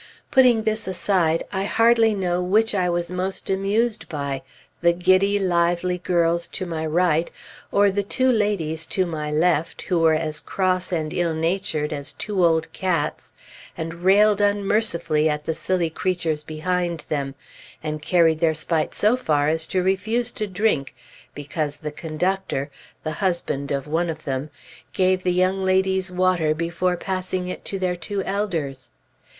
Putting this aside, I hardly know which I was most amused by: the giddy, lively girls to my right, or the two ladies to my left who were as cross and ill natured as two old cats and railed unmercifully at the silly creatures behind them, and carried their spite so far as to refuse to drink because the conductor (the husband of one of them) gave the young ladies water before passing it to their two elders.